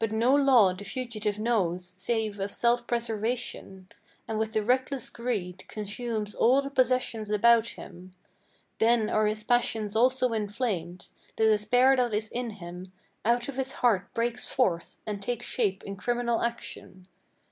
But no law the fugitive knows, save of self preservation, And, with a reckless greed, consumes all the possessions about him; Then are his passions also inflamed: the despair that is in him Out of his heart breaks forth, and takes shape in criminal action.